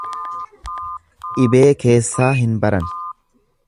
Dhibee keessaa hin baran.